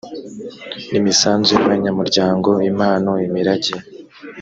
n imisanzu y abanyamuryango impano imirage